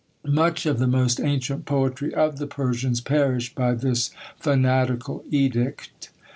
Much of the most ancient poetry of the Persians perished by this fanatical edict.